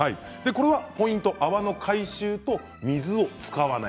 ポイントは泡の回収と水を使わない。